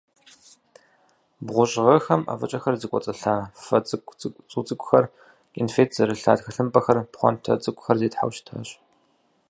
Бгъущӏ гъэхэм, ӏэфӏыкӏэхэр зыкӏуэцӏылъа фэ цӏу цӏыкӏухэр, кӏэнфет зэрылъа тхылъымпӏэ пхъуантэ цӏыкӏухэр зетхьэу щытащ.